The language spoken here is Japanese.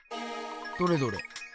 どれどれ。